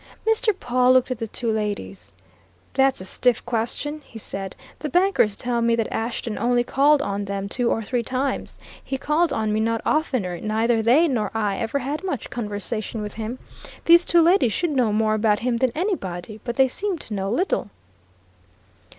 Mr. Pawle looked at the two ladies. "That's a stiff question!" he said. "The bankers tell me that Ashton only called on them two or three times; he called on me not oftener; neither they nor I ever had much conversation with him. These two ladies should know more about him than anybody but they seem to know little."